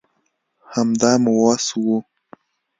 همدا مو وس وو